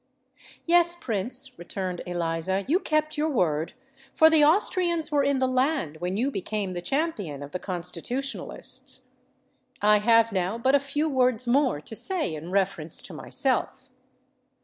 "Yes, Prince," returned Eliza; "you kept your word—for the Austrians were in the land when you became the champion of the Constitutionalists. I have now but a few words more to say in reference to myself.